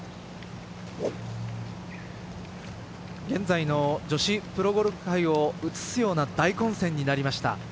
現在の女子プロゴルフ界を映すような大混戦になりました。